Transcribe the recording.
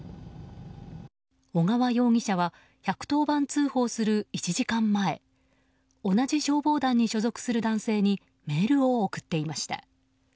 小川容疑者は１１０番通報する１時間前同じ消防団に所属する男性にメールを送っていました。